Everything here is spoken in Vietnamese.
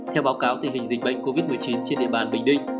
theo báo cáo tình hình dịch bệnh covid một mươi chín trên địa bàn bình định